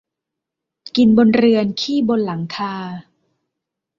กินบนเรือนขี้บนหลังคา